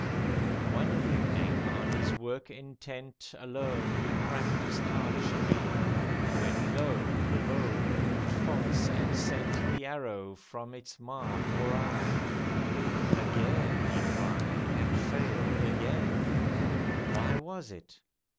One evening, on his work intent, Alone he practised Archery, When lo! the bow proved false and sent The arrow from its mark awry; Again he tried, and failed again; Why was it?